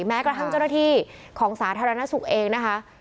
แม้กระทั่งเจ้าหน้าที่ของสาธารณสุขเองนะคะ